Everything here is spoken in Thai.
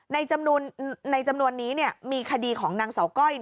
ในจำนวนนี้มีคดีของนางเสาก้อย